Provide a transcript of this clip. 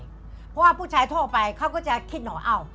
เพราะว่าผู้ชายทั่วไปเขาก็จะคิดหน่อยว่าอ้าว